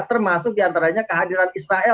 termasuk diantaranya kehadiran israel